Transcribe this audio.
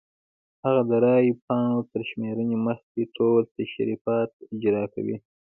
هغه د رای پاڼو تر شمېرنې مخکې ټول تشریفات اجرا کوي.